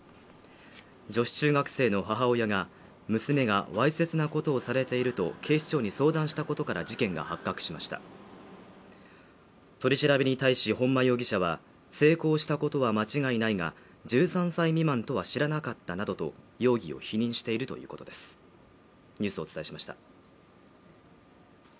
女子中学生の母親が娘がわいせつなことされていると警視庁に相談したことから事件が発覚しました取り調べに対し本間容疑者は性交したことは間違いないが１３歳未満とは知らなかったなどと容疑を否認しているということですよしっ！